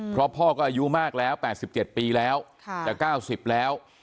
เพราะพ่อก็อายุมากแล้ว๘๗ปีแล้วจะ๙๐แล้ว